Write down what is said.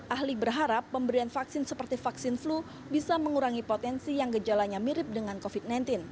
ahli berharap pemberian vaksin seperti vaksin flu bisa mengurangi potensi yang gejalanya mirip dengan covid sembilan belas